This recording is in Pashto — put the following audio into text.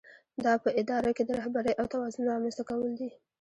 دا په اداره کې د رهبرۍ او توازن رامنځته کول دي.